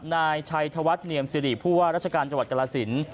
นายชัยธวัฒน์เนียมสิริผู้ว่าราชการจังหวัดกรสิน